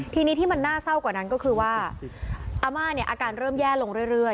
ทีนี้ที่มันน่าเศร้ากว่านั้นก็คือว่าอาม่าเนี่ยอาการเริ่มแย่ลงเรื่อย